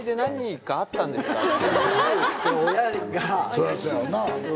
そりゃそやわな。